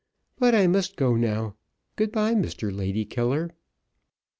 But I must go now, good bye, Mr Lady killer."